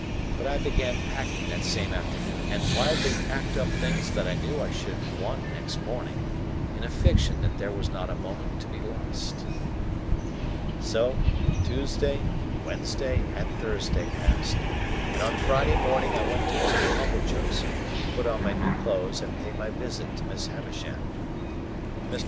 But I began packing that same afternoon, and wildly packed up things that I knew I should want next morning, in a fiction that there was not a moment to be lost. So, Tuesday, Wednesday, and Thursday, passed; and on Friday morning I went to Mr. Pumblechook's, to put on my new clothes and pay my visit to Miss Havisham. Mr.